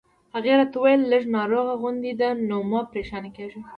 هغې راته وویل: لږ ناروغه غوندې ده، نو مه پرېشانه کېږه.